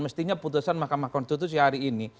mestinya putusan mahkamah konstitusi hari ini